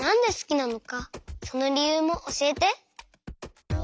そのりゆうもおしえて。